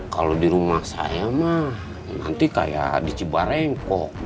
kalau di rumah saya mah nanti kayak di cibarengkok